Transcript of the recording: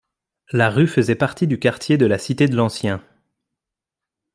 La rue faisait partie du quartier de la Cité de l'ancien.